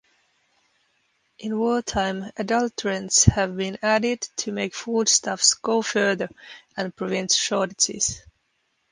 In wartime adulterants have been added to make foodstuffs "go further" and prevent shortages.